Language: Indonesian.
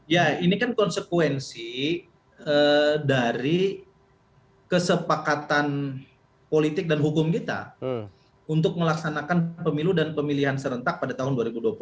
ya ini kan konsekuensi dari kesepakatan politik dan hukum kita untuk melaksanakan pemilu dan pemilihan serentak pada tahun dua ribu dua puluh empat